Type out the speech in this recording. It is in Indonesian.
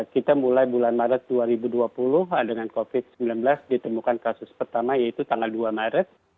kita mulai bulan maret dua ribu dua puluh dengan covid sembilan belas ditemukan kasus pertama yaitu tanggal dua maret